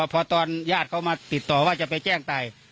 พอตอนญาติเขามาติดต่อว่าจะไปแจ้งตาย